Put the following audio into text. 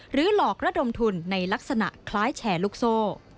หรือหลอกระดมทุนในลักษณะคล้ายแฉลุกโซ